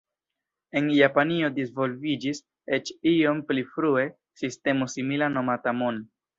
En Japanio disvolviĝis, eĉ iom pli frue, sistemo simila nomata "mon".